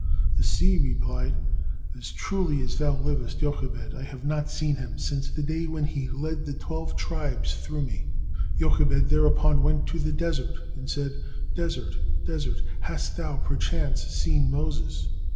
The sea replied, "As truly as thou livest, Jochebed, I have not seen him since the day when he led the twelve tribes through me." Jochebed thereupon went to the desert and said, "Desert, desert, hast thou perchance seen Moses?"